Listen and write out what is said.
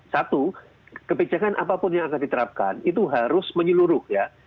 satu kebijakan apapun yang akan diterapkan itu harus menyeluruh ya